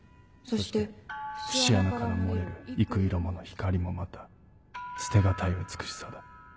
「そして節穴から漏れる幾色もの光もまた捨てがたい美しさだ。